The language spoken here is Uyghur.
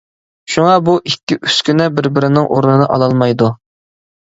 شۇڭا بۇ ئىككى ئۈسكۈنە بىر-بىرىنىڭ ئورنىنى ئالالمايدۇ.